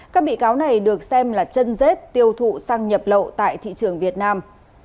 các bị cáo này được xem là chân rết tiêu thụ xăng nhập lậu tại thị trường việt nam